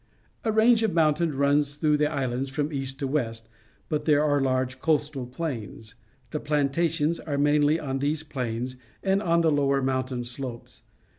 A range of mountains runs through the island from east to west, but there are large coastal plains. The plantations are mainh' on these plains and on the lower mountain slopes.